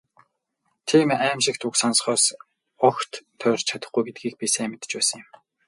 Тийм «аймшигт» үг сонсохоос огт тойрч чадахгүй гэдгийг би сайн мэдэж байсан юм.